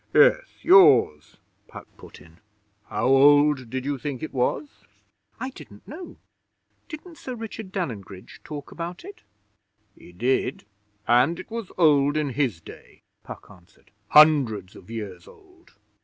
'Yes; yours,' Puck put in. 'How old did you think it was?' 'I don't know. Didn't Sir Richard Dalyngridge talk about it?' 'He did, and it was old in his day,' Puck answered. 'Hundreds of years old.'